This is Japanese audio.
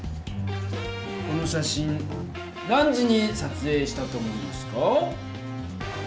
この写真何時にさつえいしたと思いますか？